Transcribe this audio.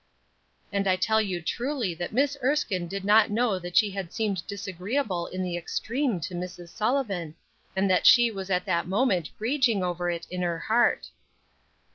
And I tell you truly that Miss Erskine did not know that she had seemed disagreeable in the extreme to Mrs. Sullivan, and that she was at that moment raging over it in her heart.